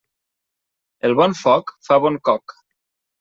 El bon foc fa bon coc.